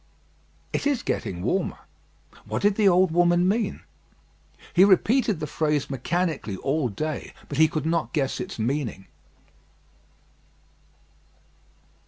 "It is getting warmer." What did the old woman mean? He repeated the phrase mechanically all day, but he could not guess its meaning.